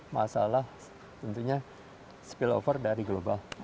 masalah tentunya spillover dari global